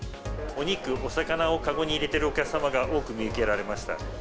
お肉、お魚を籠に入れてるお客様が多く見受けられました。